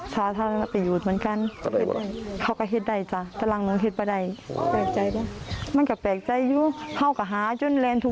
สาธารณประโยชน์เหมือนกัน